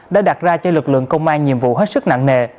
đã đặt ra cho lực lượng công an nhiệm vụ hết sức nặng nề